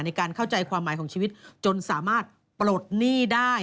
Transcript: ในการเข้าใจความหมายของชีวิตจนสามารถปลดหนี้ได้